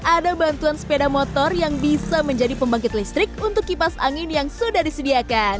ada bantuan sepeda motor yang bisa menjadi pembangkit listrik untuk kipas angin yang sudah disediakan